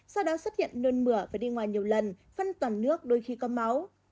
sau đó xuất hiện nôn mửa và đi ngoài nhiều lần phân toàn nước đôi khi có máu